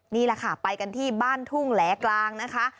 นี่แหละค่ะไปกันที่บ้านทุ่งแหลกลางนะคะ